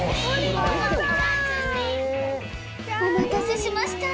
「お待たせしました」